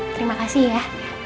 terima kasih ya